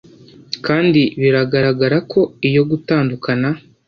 kandi biragaragara ko iyo gutandukana